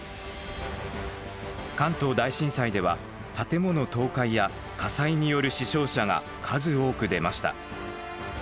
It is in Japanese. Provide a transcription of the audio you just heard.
関東大震災では建物倒壊や火災による死傷者が数多く出ました。